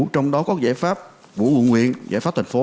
trong đó có giải pháp vụ nguyện giải pháp thành phố